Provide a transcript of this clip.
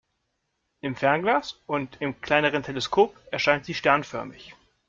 Im Fernglas und im kleineren Teleskop erscheint sie sternförmig.